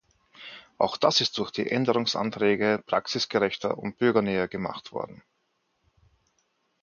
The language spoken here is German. Auch das ist durch die Änderungsanträge praxisgerechter und bürgernäher gemacht worden.